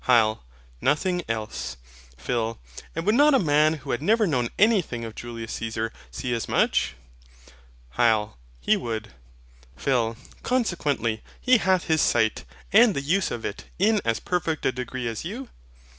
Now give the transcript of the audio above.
HYL. Nothing else. PHIL. And would not a man who had never known anything of Julius Caesar see as much? HYL. He would. PHIL. Consequently he hath his sight, and the use of it, in as perfect a degree as you?